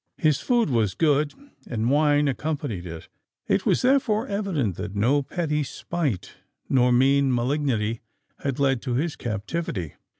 His food was good, and wine accompanied it;—it was therefore evident that no petty spite nor mean malignity had led to his captivity.